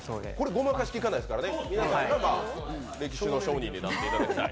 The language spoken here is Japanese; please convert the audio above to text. ごまかしきかないですからね、皆さんが歴史の証人になっていただきたい。